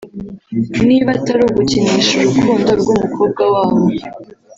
niba atari gukinisha urukundo rw’umukobwa wabo